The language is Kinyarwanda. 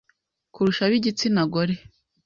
kurusha ab’igitsina gore.